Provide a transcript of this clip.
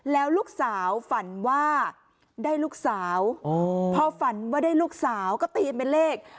แล้วลูกสาวฝันว่าได้ลูกสาวพอฝันว่าได้ลูกสาวก็ตีนเป็นเลข